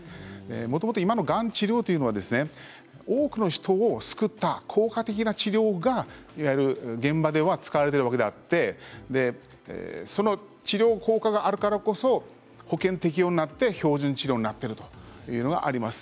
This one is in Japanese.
もともと今のがん治療というのは多くの人を救った効果的な治療がいわゆる現場では使われているものであってその治療効果があるからこそ保険適用になって標準治療になっているというのがあります。